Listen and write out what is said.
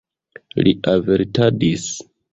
Li avertadis.